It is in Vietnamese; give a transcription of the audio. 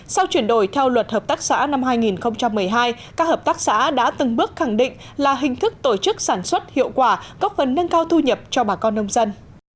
sau chuyển đổi theo luật hợp tác xã năm hai nghìn một mươi hai các hợp tác xã đã từng bước khẳng định là hình thức tổ chức sản xuất hiệu quả góp phần nâng cao thu nhập cho bà con nông dân